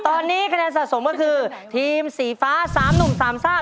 ตอนนี้คะแนนสะสมก็คือทีมสีฟ้า๓หนุ่มสามซ่า